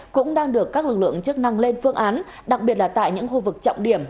cũng đang được các lực lượng chức năng lên phương án đặc biệt là tại những khu vực trọng điểm